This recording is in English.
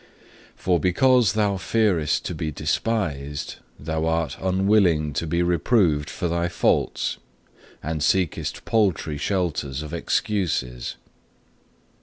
For because thou fearest to be despised, thou art unwilling to be reproved for thy faults, and seekest paltry shelters of excuses.